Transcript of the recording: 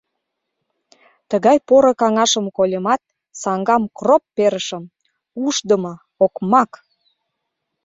Тыгай поро каҥашым кольымат, саҥгам кроп перышым: «Ушдымо, окмак!